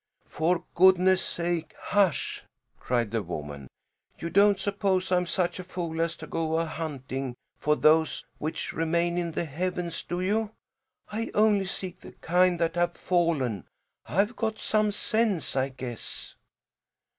"For goodness sake hush!" cried the woman. "You don't suppose I'm such a fool as to go ahunting for those which remain in the heavens, do you? I only seek the kind that have fallen. I've got some sense, I guess!"